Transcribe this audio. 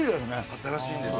新しいんです